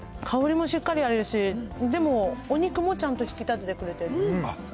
香りもしっかりあるし、でも、お肉もちゃんと引き立ててくれてる。